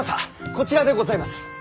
こちらでございます。